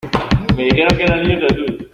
me dijeron que era el Niño Jesús.